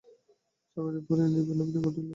চাকরির পর এ নিয়ে কোনো বিতর্ক উঠলে তিনি ঝামেলায় পড়বেন।